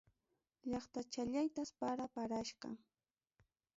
Llaqtachallaytas para parachkan.